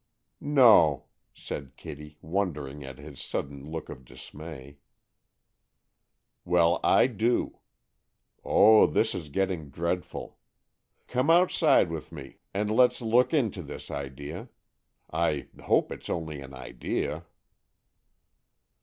"No," said Kitty, wondering at his sudden look of dismay. "Well, I do! Oh, this is getting dreadful. Come outside with me and let's look into this idea. I hope it's only an idea!"